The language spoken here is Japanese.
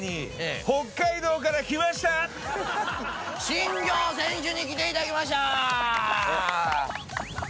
新庄選手に来ていただきました！